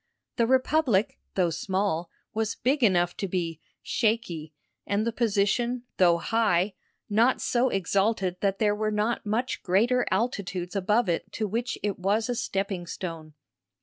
The republic, though small, was big enough to be "shaky," and the position, though high, not so exalted that there were not much greater altitudes above it to which it was a stepping stone.